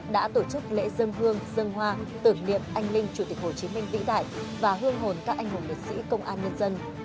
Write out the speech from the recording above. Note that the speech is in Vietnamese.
đã tổ chức lễ dân hương dân hoa tưởng niệm anh linh chủ tịch hồ chí minh vĩ đại và hương hồn các anh hùng liệt sĩ công an nhân dân